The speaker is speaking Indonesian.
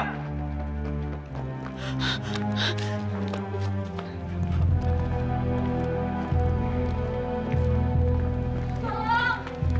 tidak ada dia